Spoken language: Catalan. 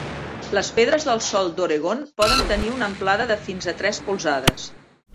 Les pedres del sol d'Oregon poden tenir una amplada de fins a tres polzades.